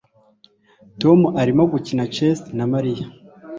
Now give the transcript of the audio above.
Tom arimo gukina chess na Mariya